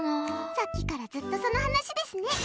さっきからずっとその話ですね。